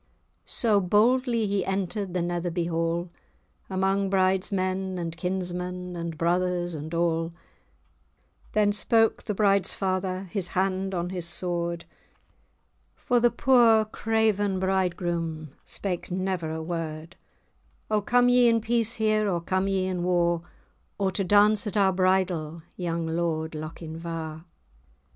So boldly he entered the Netherby Hall, Among bride's men, and kinsmen, and brothers, and all, Then spoke the bride's father, his hand on his sword (For the poor craven bridegroom said never a word), "O come ye in peace here, or come ye in war, Or to dance at our bridal, young Lord Lochinvar?"